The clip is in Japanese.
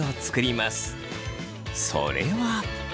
それは。